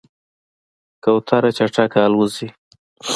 کوتره چټکه الوزي.